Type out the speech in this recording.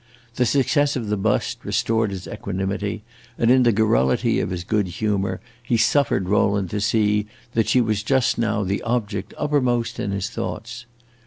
The success of the bust restored his equanimity, and in the garrulity of his good humor he suffered Rowland to see that she was just now the object uppermost in his thoughts.